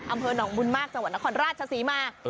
อำเภอหนองบุญมากสวรรค์นครราชชะซีมาก